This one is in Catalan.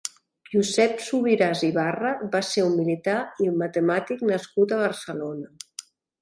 Josep Subiràs i Barra va ser un militar i matemàtic nascut a Barcelona.